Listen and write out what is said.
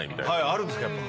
あるんですかやっぱ。